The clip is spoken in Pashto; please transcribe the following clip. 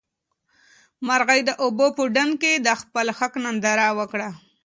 مرغۍ د اوبو په ډنډ کې د خپل حق ننداره وکړه.